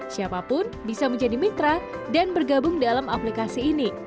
siapapun bisa menjadi mitra dan bergabung dalam aplikasi ini